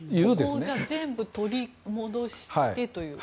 ここを全部取り戻してという。